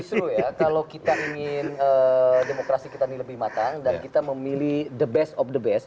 justru ya kalau kita ingin demokrasi kita ini lebih matang dan kita memilih the best of the best